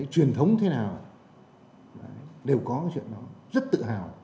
truyền thống thế nào đều có chuyện rất tự hào